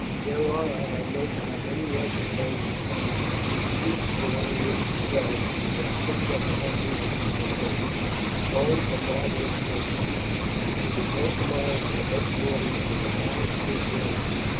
There are, I have no doubt, many Russian Poles in London who speak the language well, and who have picked up enough English for your purpose. The Poles are marvellous linguists. We will go to morrow to the headquarters of the Bow Street runners.